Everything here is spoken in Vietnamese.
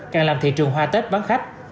càng làm thị trường hoa tết bán khách